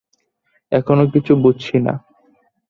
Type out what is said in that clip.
এখনো কিছু বুঝছি না।